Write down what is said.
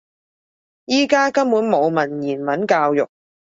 而家根本冇文言文教育